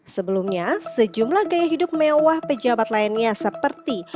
sebelumnya sejumlah gaya hidup mewah pejabat lainnya seperti